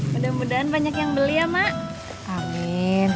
kalau banyak yang beli